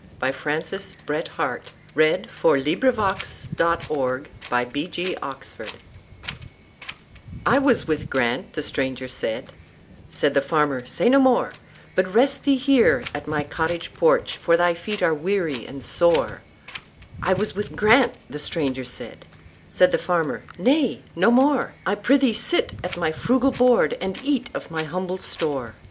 By Francis BretHarte 748 The Aged Stranger "I WAS with Grant"—the stranger said; Said the farmer, "Say no more, But rest thee here at my cottage porch, For thy feet are weary and sore.""I was with Grant"—the stranger said; Said the farmer, "Nay, no more,—I prithee sit at my frugal board, And eat of my humble store.